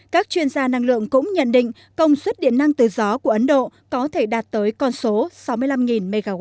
các chuyên gia năng lượng cũng nhận định công suất điện năng từ gió của ấn độ có thể đạt tới con số sáu mươi năm mw